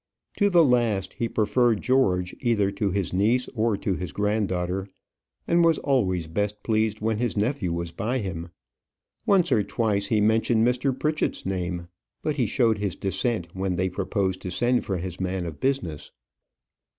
To the last he preferred George either to his niece or to his granddaughter; and was always best pleased when his nephew was by him. Once or twice he mentioned Mr. Pritchett's name; but he showed his dissent when they proposed to send for his man of business.